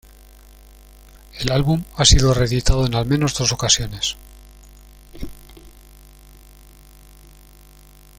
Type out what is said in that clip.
El álbum ha sido reeditado en al menos dos ocasiones.